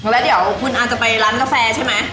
แล้วเดี๋ยวคุณอาจจะไปร้านกาแฟใช่ไหม